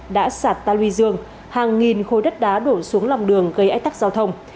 đã sạt ta luy dương hàng nghìn khối đất đá đổ xuống lòng đường gây ách tắc giao thông